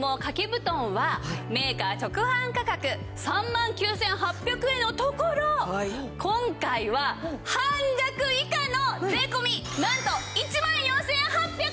布団はメーカー直販価格３万９８００円のところ今回は半額以下の税込なんと１万４８００円です！